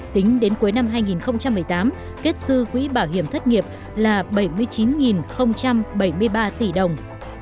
tính đến cuối năm hai nghìn một mươi tám kết dư quỹ bảo hiểm thất nghiệp là bảy mươi chín bảy mươi ba tỷ đồng